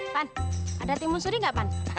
pan ada timun suri nggak pan